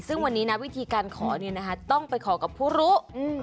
ซึ่งวันนี้นะวิธีการขอต้องไปขอกับผู้รู้